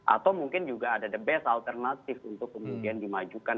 atau mungkin juga ada the best alternatif untuk kemudian dimajukan